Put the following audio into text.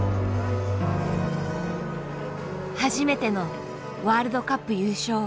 初めてのワールドカップ優勝。